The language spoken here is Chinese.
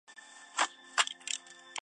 蒙布朗克。